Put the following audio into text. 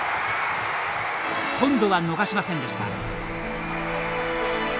今度は逃しませんでした。